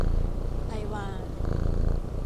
ไทยวา